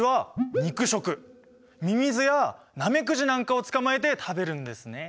ミミズやナメクジなんかを捕まえて食べるんですね。